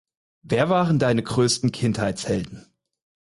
Wer waren deine größten Kindheitshelden?